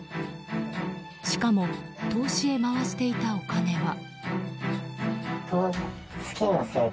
しかも投資へ回していたお金は。